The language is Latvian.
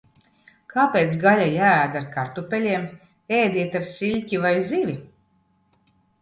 Kāpēc gaļa jāēd ar kartupeļiem? Ēdiet ar siļķi vai zivi!